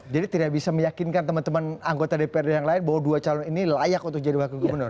jadi tidak bisa meyakinkan teman teman anggota dprd yang lain bahwa dua calon ini layak untuk jadi wakil gubernur